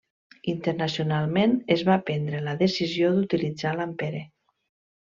Internacionalment es va prendre la decisió d'utilitzar l'ampere.